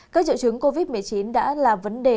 các triệu chứng covid một mươi chín đã là vấn đề